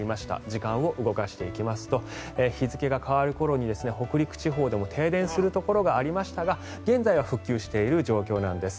時間を動かしていきますと日付が変わる頃に北陸地方でも停電するところがありましたが現在は復旧している状況なんです。